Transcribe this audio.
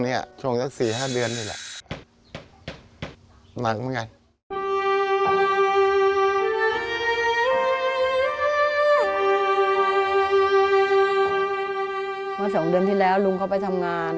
เมื่อ๒เดือนที่แล้วลุงเขาไปทำงาน